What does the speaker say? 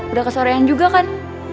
udah kesorean juga kan